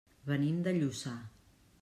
Venim de Lluçà.